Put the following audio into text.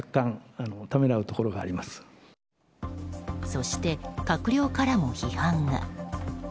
そして、閣僚からも批判が。